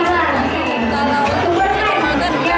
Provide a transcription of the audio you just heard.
kalau untuk lomba makan enggak